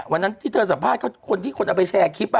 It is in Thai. วันนั้นที่เธอสัมภาษณ์ก็เป็นคนที่เอาไปแซร์คลิปอ่ะ